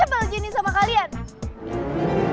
sebal gini sama kalian